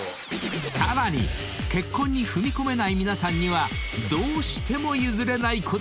［さらに結婚に踏み込めない皆さんにはどうしても譲れないこだわりがあるそう］